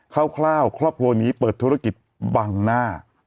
คร่าวครอบครัวนี้เปิดธุรกิจบังหน้า